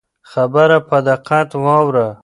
خبره په دقت واوره.